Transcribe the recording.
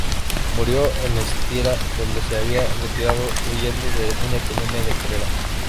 Murió en Estiria, donde se había retirado huyendo de una epidemia de cólera.